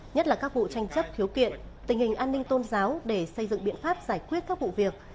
nhất là các vụ tranh chấp khiếu kiện tình hình an ninh tôn giáo để xây dựng biện pháp giải quyết các vụ việc